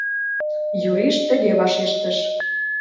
Юриш тыге вашештыш: